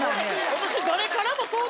私。